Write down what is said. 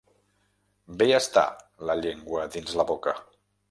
Bé està la llengua dins la boca.